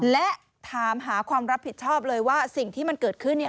และถามหาความรับผิดชอบเลยว่าสิ่งที่มันเกิดขึ้นเนี่ย